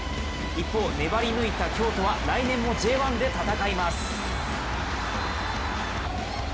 一方、粘り抜いた京都は来年もＪ１で戦います。